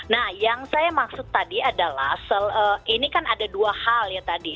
nah yang saya maksud tadi adalah ini kan ada dua hal ya tadi